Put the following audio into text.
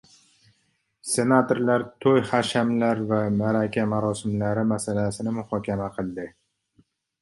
Senatorlar to‘y-hashamlar va ma’raka marosimlari masalasini muhokama qildi